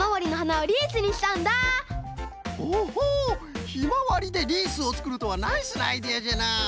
ほほうヒマワリでリースをつくるとはナイスなアイデアじゃな。